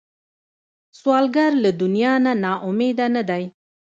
سوالګر له دنیا نه نا امیده نه دی